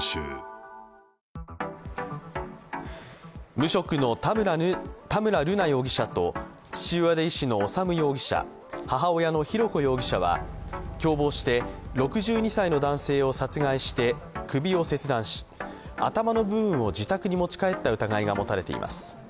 無職の田村瑠奈容疑者と父親で医師の修容疑者母親の浩子容疑者は共謀して６２歳の男性を殺害して首を切断し頭の部分を自宅に持ち帰った疑いが持たれています。